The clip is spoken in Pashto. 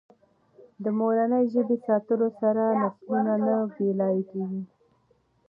د مورنۍ ژبه ساتلو سره نسلونه نه بې لارې کېږي.